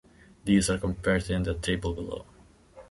These are compared in the table below.